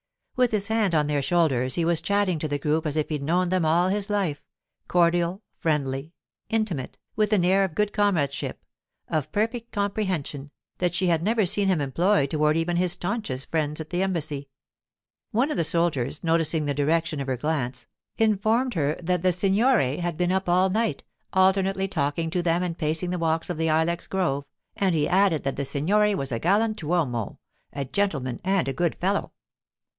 With his hand on their shoulders, he was chatting to the group as if he had known them all his life, cordial, friendly, intimate, with an air of good comradeship, of perfect comprehension, that she had never seen him employ toward even his staunchest friends of the Embassy. One of the soldiers, noticing the direction of her glance, informed her that the signore had been up all night, alternately talking to them and pacing the walks of the ilex grove, and he added that the signore was a galantuomo—a gentleman and a good fellow.